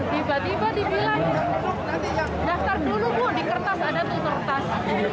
tiba tiba dibilang daftar dulu pun di kertas ada tutup tas